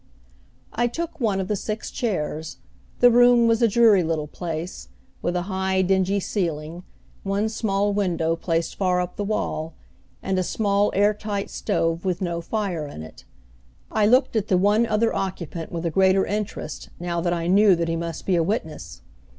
I took one of the six chairs. The room was a dreary little place, with a high, dingy ceiling, one small window, placed far up the wall, and a small air tight stove with no fire in it. I looked at the one other occupant with a greater interest, now that I knew that he must be a witness.